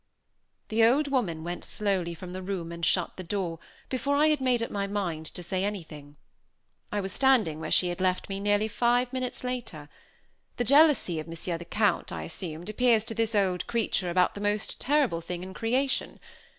The old woman went slowly from the room and shut the door, before I had made up my mind to say anything. I was standing where she had left me, nearly five minutes later. The jealousy of Monsieur the Count, I assumed, appears to this old creature about the most terrible thing in creation.